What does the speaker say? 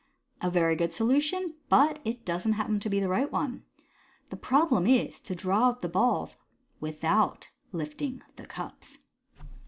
" A very good solution, but it doesn't happen to be the right one. The problem is to draw out the balls without lifting the cups."